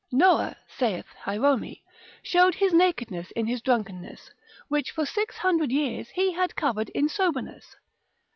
Noah (saith Hierome) showed his nakedness in his drunkenness, which for six hundred years he had covered in soberness.